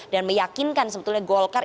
dan meyakinkan sebetulnya golkar